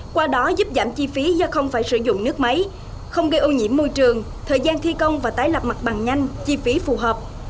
qua đó giúp giảm chi phí do không phải sử dụng nước máy không gây ô nhiễm môi trường thời gian thi công và tái lập mặt bằng nhanh chi phí phù hợp